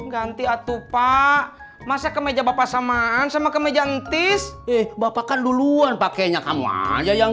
ganti atupa masa kemeja bapak samaan sama kemeja entis eh bapak kan duluan pakainya kamu aja yang